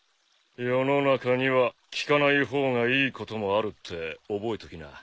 世の中には聞かない方がいいこともあるって覚えときな。